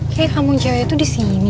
kayaknyi hamung circa itu disini